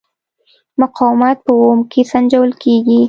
مقاومت په اوم کې سنجول کېږي.